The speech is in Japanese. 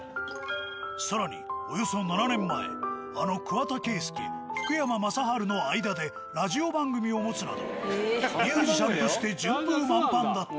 更におよそ７年前あの桑田佳祐福山雅治の間でラジオ番組を持つなどミュージシャンとして順風満帆だった。